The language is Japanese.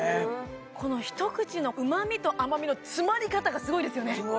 この一口の旨みと甘みの詰まり方がすごいですよね